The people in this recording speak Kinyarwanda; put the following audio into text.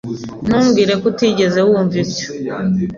Ntumbwire ko utigeze wumva ibyo.